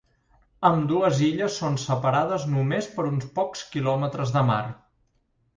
Ambdues illes són separades només per uns pocs quilòmetres de mar.